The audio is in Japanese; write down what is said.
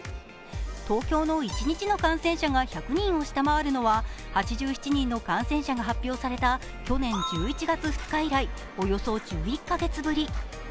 東京の１日の感染者が１００人を下回るのは８７人の感染者が発表された去年１１月２日以来、およそ１１カ月ぶり。